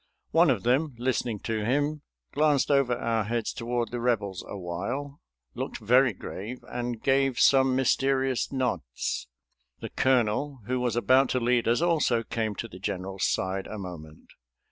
One of them, listening to him, glanced over our heads toward the Rebels awhile, looked very grave, and gave some mysterious nods. The colonel who was about to lead us also came to the General's side a moment.